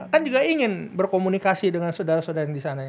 kan juga ingin berkomunikasi dengan saudara saudara yang di sana